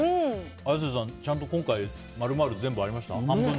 綾瀬さん、ちゃんと今回丸々全部ありました？